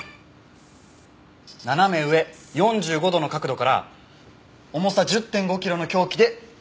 斜め上４５度の角度から重さ１０．５キロの凶器で一撃。